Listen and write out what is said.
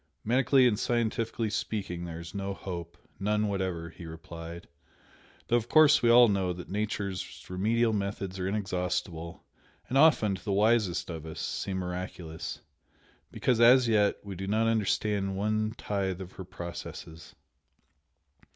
"Medically and scientifically speaking, there is no hope, none whatever" he replied "Though of course we all know that Nature's remedial methods are inexhaustible, and often, to the wisest of us, seem miraculous, because as yet we do not understand one tithe of her processes.